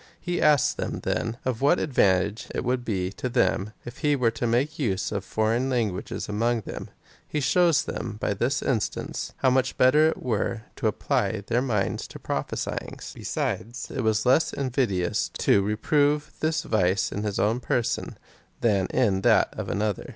He asks them, then, of what advantage it would be to them, if he were to make use of foreign languages among them. He shows them by this instance, how much better it were to apply their minds to prophesyings. Besides, it was less invidious to reprove this vice in his own person, than in that of an other.